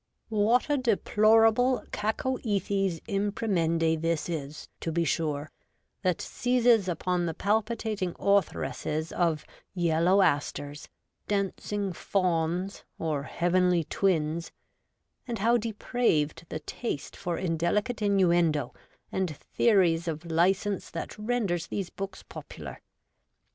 What a deplorable cacoethes impri ■mendi this is, to be sure, that seizes upon the palpitating authoresses of Yellow Asters, Dancing Fawns, or Heavenly Twins ; and how depraved the taste for indelicate innuendo and theories of licence that renders these books popular